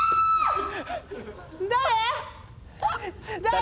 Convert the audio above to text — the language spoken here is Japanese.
誰？